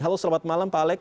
halo selamat malam pak alex